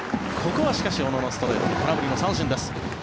ここはしかし、小野のストレート空振りの三振です。